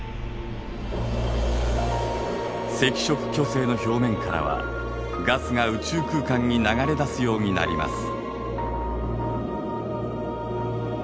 赤色巨星の表面からはガスが宇宙空間に流れ出すようになります。